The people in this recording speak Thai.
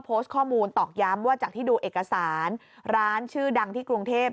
โพสต์ข้อมูลตอกย้ำว่าจากที่ดูเอกสารร้านชื่อดังที่กรุงเทพ